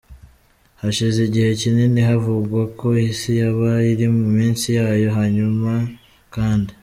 Hashize igihe kinini havugwa ko isi yaba iri mu minsi yayo yanyuma kandi.